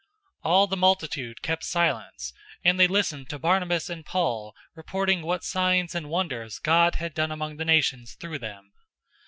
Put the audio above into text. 015:012 All the multitude kept silence, and they listened to Barnabas and Paul reporting what signs and wonders God had done among the nations through them.